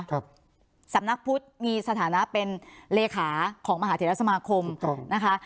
สำนักพุทธมีสถานะเป็นเลขาของมหาเทรสมาคมนะคะ